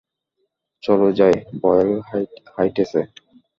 চলো যাই, বয়েল হাইটসে!